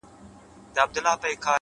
څه عجيبه شان سيتار کي يې ويده کړم!!